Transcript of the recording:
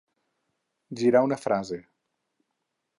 Girar una frase.